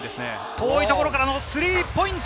遠いところからのスリーポイント。